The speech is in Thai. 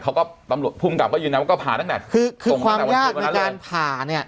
เขาก็ตำลดภูมิกับก็อยู่ในว่าก็ผ่าตั้งแต่คือความยากในการผ่าเนี้ย